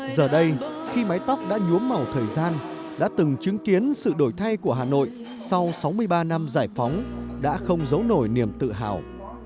giờ đây khi mái tóc đã nhuốm màu thời gian đã từng chứng kiến sự đổi thay của hà nội sau sáu mươi ba năm giải phóng đã không giấu nổi niềm tự hào